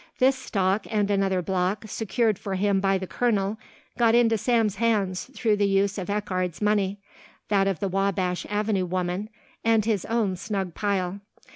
This stock and another block, secured for him by the colonel, got into Sam's hands through the use of Eckardt's money, that of the Wabash Avenue woman, and his own snug pile.